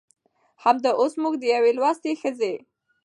همدا اوس موږ د يوې لوستې ښځې